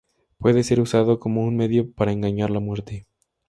Puede ser usado como un medio para engañar la muerte.